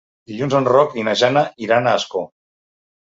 Dilluns en Roc i na Jana iran a Ascó.